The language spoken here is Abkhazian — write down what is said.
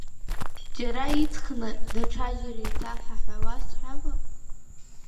Џьара иҵхны, даҽаџьара иеиҭаҳа ҳәа уасҳәама?